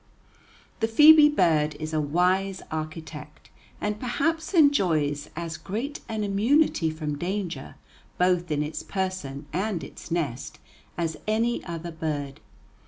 The phœbe bird is a wise architect and perhaps enjoys as great an immunity from danger, both in its person and its nest, as any other bird.